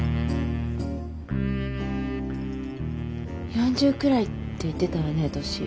４０くらいって言ってたわね年。